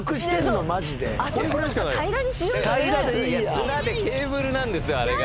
綱でケーブルなんですよあれが。